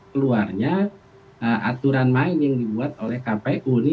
keluarnya aturan main yang dibuat oleh kpu